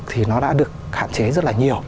thì nó đã được hạn chế rất là nhiều